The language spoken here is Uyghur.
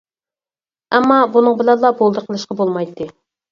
ئەمما، بۇنىڭ بىلەنلا بولدى قىلىشقا بولمايتتى.